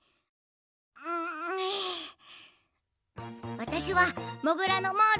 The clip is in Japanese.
わたしはモグラのモール。